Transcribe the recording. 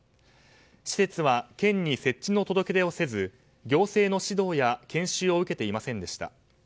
施設は県に設置の届け出をせず行政の指導や研修を受けていませんでした。